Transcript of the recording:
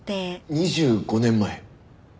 ２５年前？